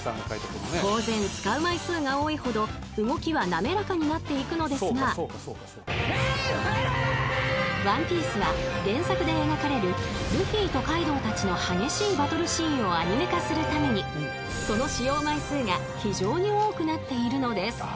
［当然使う枚数が多いほど動きは滑らかになっていくのですが『ワンピース』は原作で描かれるルフィとカイドウたちの激しいバトルシーンをアニメ化するためにその使用枚数が非常に多くなっているのです］